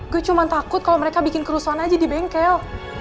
gue cuma takut kalau mereka bikin kerusuhan aja di bengkel